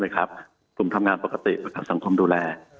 กลุ่มทำงานปกติประกันสังคมดูแล